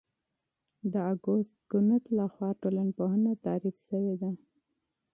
د اګوست کُنت لخوا ټولنپوهنه تعریف شوې ده.